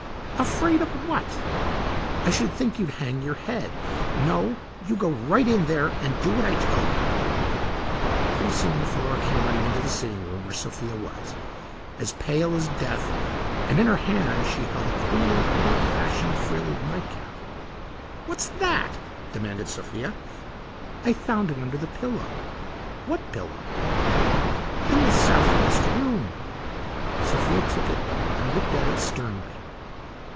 "Afraid of what? I should think you'd hang your head. No; you go right in there and do what I tell you." Pretty soon Flora came running into the sitting room where Sophia was, as pale as death, and in her hand she held a queer, old fashioned frilled nightcap. "What's that?" demanded Sophia. "I found it under the pillow." "What pillow?" "In the southwest room." Sophia took it and looked at it sternly.